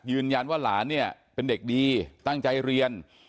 ยืนยันว่าหลานเนี่ยเป็นเด็กดีตั้งใจเรียน